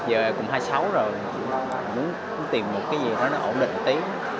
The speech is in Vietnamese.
giờ cũng hai mươi sáu rồi muốn tìm một cái gì đó ổn định tí